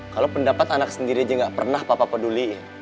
kalau pendapat anak sendiri aja gak pernah papa peduliin